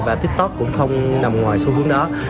và tiktok cũng không nằm ngoài xu hướng đó